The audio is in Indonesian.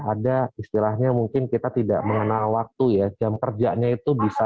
ada istilahnya mungkin kita tidak mengenal waktu ya jam kerjanya itu bisa